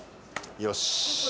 よし。